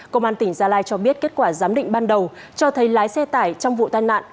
công an tỉnh gia lai cho biết kết quả giám định ban đầu cho thấy lái xe tải trong vụ tai nạn